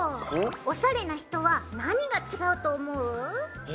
おしゃれな人は何が違うと思う？え？